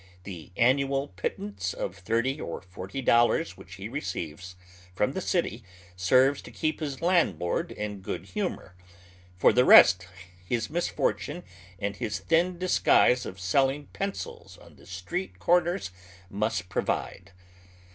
The an nual pittance of thirty or forty dollars whicii he receives ;:,vG00«^ 350 HOW THE OTHEli HALF LIVES. from tlie city serves to keep hie landlord in good humor ; for the rest his misfortune and his thin disguise of selling penciSs on the street comers must provide.